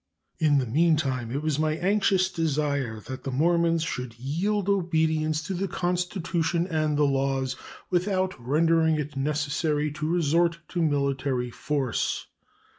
In the meantime it was my anxious desire that the Mormons should yield obedience to the Constitution and the laws without rendering it necessary to resort to military force.